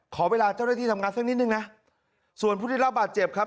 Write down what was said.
ขอเวลาเจ้าหน้าที่ทำงานสักนิดนึงนะส่วนผู้ได้รับบาดเจ็บครับ